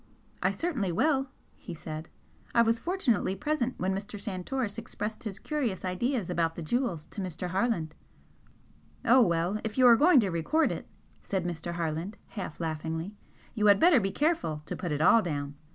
"I certainly will," he said. "I was fortunately present when Mr. Santoris expressed his curious ideas about the jewels to Mr. Harland." "Oh, well, if you are going to record it," said Mr. Harland, half laughingly "you had better be careful to put it all down.